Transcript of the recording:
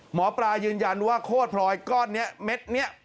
หมอปลายืนยันว่าโคตรพลอยก้อนนี้เม็ดนี้